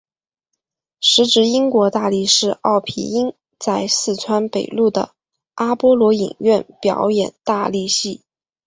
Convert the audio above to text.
时值英国大力士奥皮音在四川北路的阿波罗影院表演大力戏。